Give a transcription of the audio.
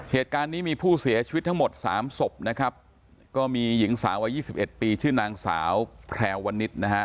เหตุการณ์นี้มีผู้เสียชีวิตทั้งหมดสามศพนะครับก็มีหญิงสาววัยยี่สิบเอ็ดปีชื่อนางสาวแพรวันนิษฐ์นะฮะ